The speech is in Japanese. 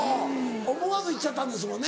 思わず言っちゃったんですもんね。